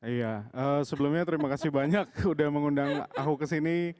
iya sebelumnya terima kasih banyak udah mengundang aku kesini